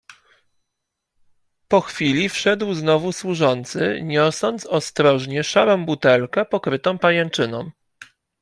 "Po chwili wszedł znowu służący, niosąc ostrożnie szarą butelkę, pokrytą pajęczyną."